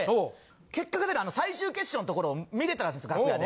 結果が出る最終決勝のところを見れたらしいんですよ楽屋で。